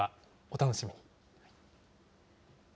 お楽しみに。